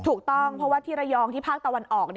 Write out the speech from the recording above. ถูกต้องเพราะว่าที่ระยองที่ภาคตะวันออก